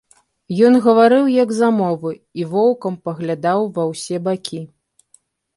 Ён гаварыў, як замовы, і воўкам паглядаў ва ўсе бакі.